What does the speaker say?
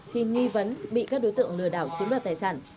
khi nghi vấn bị các đối tượng lừa đảo chiếm đoạt tài sản